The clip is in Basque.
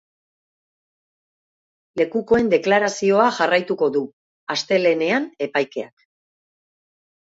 Lekukoen deklarazioa jarraituko du, astelehenean, epaikeak.